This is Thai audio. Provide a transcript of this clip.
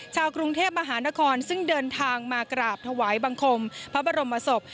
ชาวกรุงเทพมหานครซึ่งเดินทางมากราบถวายบังคมพระบรมศพ